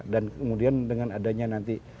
dan kemudian dengan adanya nanti